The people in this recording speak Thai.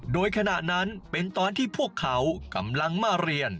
โดยขณะนั้นเป็นตอนที่พวกเขากำลังมาเรียน